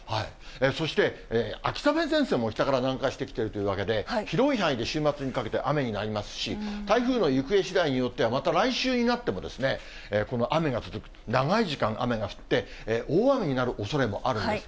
そして、秋雨前線も北から南下してきているというわけで、広い範囲で週末にかけて、雨になりますし、台風の行方しだいによっては、また来週になっても、この雨が、長い時間雨が降って、大雨になるおそれもあるんです。